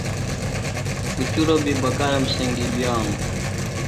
کُچُروۡ بیۡ بکارم سنگی بِیانوۡ.